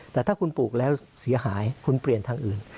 แต่ถ้าคุณปลูกแล้วเสียหายคุณเปลี่ยนทางอื่น